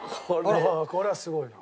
これはすごいな。